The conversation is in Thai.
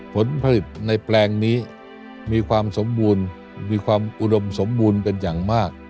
ผลผลิตในแปลงนี้มีความสมบูรณ์มีความอุดมสมบูรณ์เป็นอย่างมาก